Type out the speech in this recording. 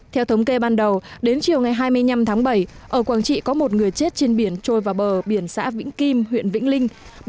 theo thống kê ban đầu đến chiều ngày hai mươi năm tháng bảy ở quảng trị có một người chết trên biển trôi vào bờ biển xã vĩnh kim huyện vĩnh linh